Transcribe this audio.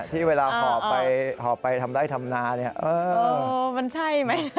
ที่เวลาหอบไปหอบไปทำไร่ทำนาเนี่ยเออมันใช่ไหม